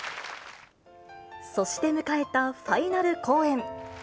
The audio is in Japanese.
そして迎えたファイナル公演。